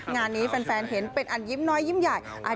งานนี้แฟนเห็นเป็นอันยิ้มน้อยยิ้มใหญ่